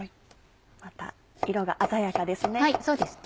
また色が鮮やかですね。